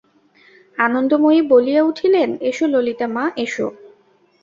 আনন্দময়ী বলিয়া উঠিলেন, এসো ললিতা, মা এসো।